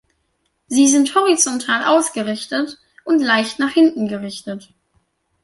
Sie sind horizontal ausgerichtet und leicht nach hinten gerichtet.